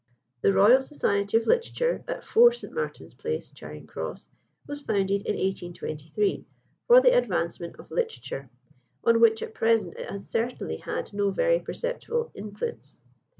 The Royal Society of Literature, at 4 St. Martin's Place, Charing Cross, was founded in 1823, "for the advancement of literature," on which at present it has certainly had no very perceptible influence.